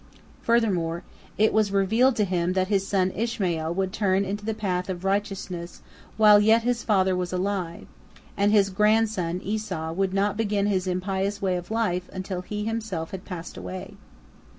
Furthermore it was revealed to him that his son Ishmael would turn into the path of righteousness while yet his father was alive, and his grandson Esau would not begin his impious way of life until he himself had passed away.